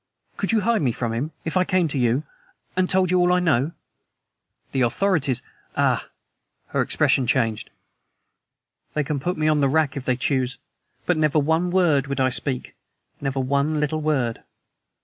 "Could you hide me from him if I came to you, and told you all I know?" "The authorities " "Ah!" Her expression changed. "They can put me on the rack if they choose, but never one word would I speak never one little word."